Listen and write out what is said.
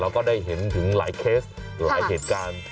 เราก็ได้เห็นถึงหลายเคสหรือหลายเหตุการณ์